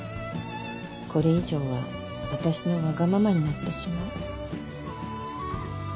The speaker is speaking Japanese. これ以上は私のわがままになってしまう。